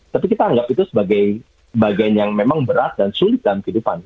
tapi kita anggap itu sebagai bagian yang memang berat dan sulit dalam kehidupan